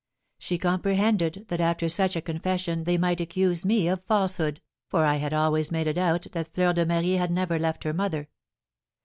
She comprehended that after such a confession they might accuse me of falsehood, for I had always made it out that Fleur de Marie had never left her mother.